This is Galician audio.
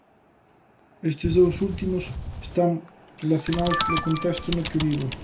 Estes dous últimos están relacionados polo contexto no que vivo.